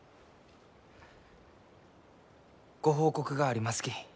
ご報告がありますき。